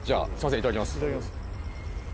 いただきます